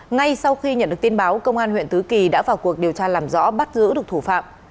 ngay sau khi nhận được tin báo công an huyện tứ kỳ đã vào cuộc điều tra làm rõ bắt giữ được thủ phạm